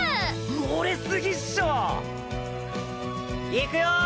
盛れすぎっしょ！いくよー！